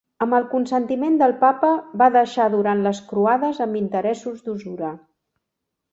Amb el consentiment del Papa va deixar durant les croades amb interessos d'usura.